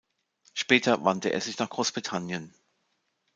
Später wandte er sich nach Großbritannien.